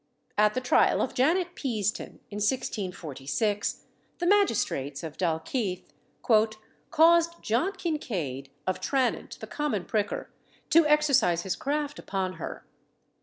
At the trial of Janet Peaston, in 1646, the magistrates of Dalkeith "caused John Kincaid of Tranent, the common pricker, to exercise his craft upon her.